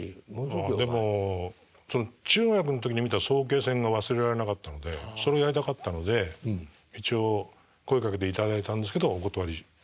でも中学の時に見た早慶戦が忘れられなかったのでそれやりたかったので一応声かけていただいたんですけどお断りしまして。